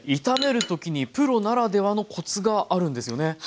炒める時にプロならではのコツがあるんですよね？